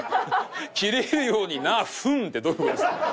「切れるようにな“ふん”」ってどういう事ですか。